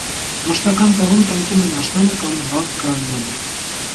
Մշտական տեղում տնկում են աշնանը կամ վաղ գարնանը։